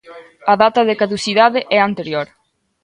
A data de caducidade é anterior.